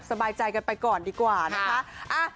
สบายใจกันไปก่อนดีกว่านะคะ